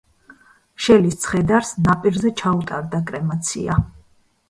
შელის ცხედარს ნაპირზე ჩაუტარდა კრემაცია.